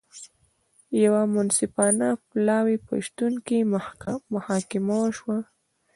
د یوه منصفه پلاوي په شتون کې محاکمه وشوه.